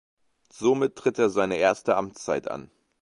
Somit tritt er seine erste Amtszeit an.